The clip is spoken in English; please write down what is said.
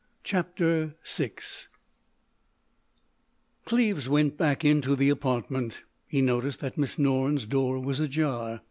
CHAPTER VI IN BATTLE Cleves went back into the apartment; he noticed that Miss Norne's door was ajar.